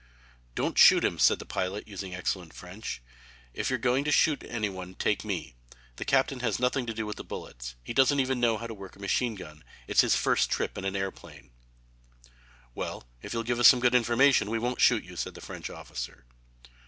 "Don't shoot him," said the pilot, using excellent French, "if you're going to shoot any one take me. The captain has nothing to do with the bullets. He doesn't even know how to work a machine gun. It's his first trip in an airplane." "Well, if you'll give us some good information, we won't shoot you," said the French officer.